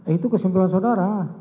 itu kesimpulan saudara